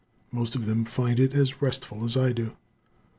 Most of them find it as restful as I do.